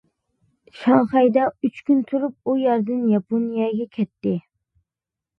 شاڭخەيدە ئۈچ كۈن تۇرۇپ ئۇ يەردىن ياپونىيەگە كەتتى.